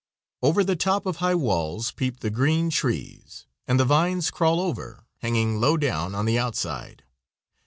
Over the top of high walls peep the green trees, and the vines crawl over, hanging low down on the outside.